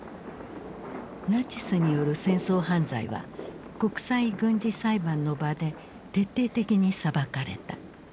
ナチスによる戦争犯罪は国際軍事裁判の場で徹底的に裁かれた。